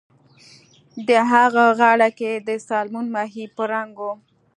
د هغه غاړه کۍ د سالمون ماهي په رنګ وه